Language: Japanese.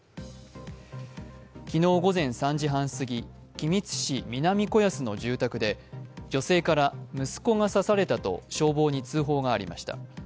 昨日午前３時半過ぎ、君津市南子安の住宅で女性から、息子が刺されたと消防に通報がありました。